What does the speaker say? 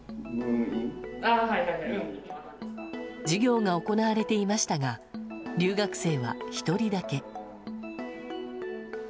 授業が行われていましたが留学生は１人だけ。